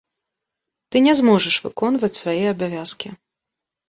Ты не зможаш выконваць свае абавязкі.